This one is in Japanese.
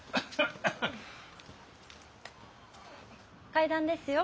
階段ですよ。